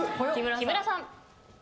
木村さん。